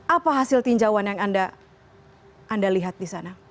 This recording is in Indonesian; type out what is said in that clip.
apa hasil tinjauan yang anda lihat di sana